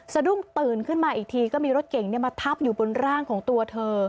สะดุ้งตื่นขึ้นมาอีกทีก็มีรถเก่งมาทับอยู่บนร่างของตัวเธอ